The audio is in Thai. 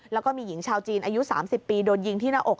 แล้วก็มีหญิงชาวจีนอายุ๓๐ปีโดนยิงที่หน้าอก